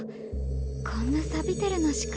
こんなさびてるのしか。